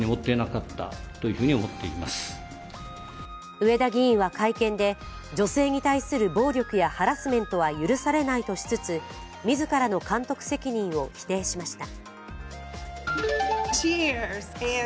上田議員は会見で女性に対する暴力やハラスメントは許されないとしつつ、自らの監督責任を否定しました。